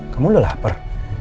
kamu udah lapar